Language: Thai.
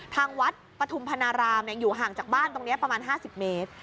ทางวัดปฐุมพนารามอยู่ห่างจากบ้านตรงนี้ประมาณ๕๐เมตร